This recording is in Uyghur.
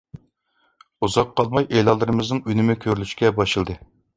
ئۇزاققا قالماي ئېلانلىرىمىزنىڭ ئۈنۈمى كۆرۈلۈشكە باشلىدى.